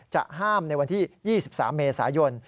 จะห้ามในวันที่๒๓เมษายน